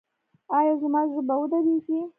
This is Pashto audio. ایا زما زړه به ودریږي؟